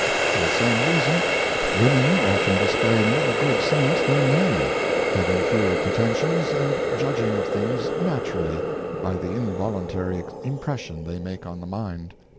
For the same reason, women often display more good sense than men, having fewer pretentions, and judging of things naturally, by the involuntary impression they make on the mind.